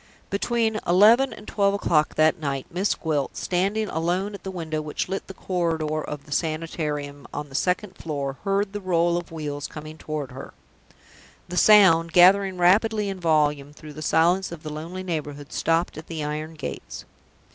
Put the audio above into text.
Between eleven and twelve o'clock that night, Miss Gwilt, standing alone at the window which lit the corridor of the Sanitarium on the second floor, heard the roll of wheels coming toward her. The sound, gathering rapidly in volume through the silence of the lonely neighborhood, stopped at the iron gates.